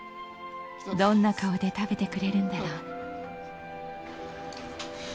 どんな顔で食べてくれるんだろう。